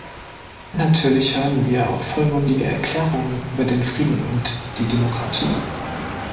Natürlich hören wir auch vollmundige Erklärungen über den Frieden und die Demokratie.